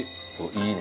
いいね